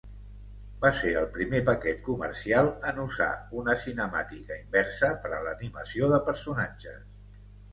Va ser el primer paquet comercial en usar una cinemàtica inversa per a l'animació de personatges.